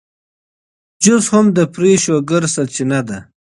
جوس هم د فري شوګر سرچینه ده.